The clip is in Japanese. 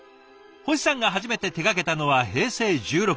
星さんが初めて手がけたのは平成１６年。